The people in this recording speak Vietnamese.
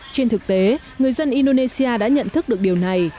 trên thực tế người dân indonesia đã nhận thức được điều này